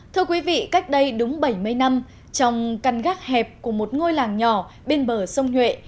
thưa quý vị cách đây đúng bảy mươi năm trong căn gác hẹp của một ngôi làng nhỏ bên bờ sông nhuệ